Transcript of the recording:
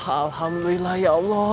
alhamdulillah ya allah